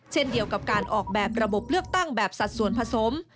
เช่นเดียวกับการออกแบบระบบเลือกตั้งแบบสัดส่วนผสม